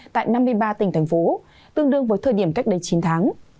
tại năm mươi ba tỉnh thành phố tương đương với thời điểm cách đây chín tháng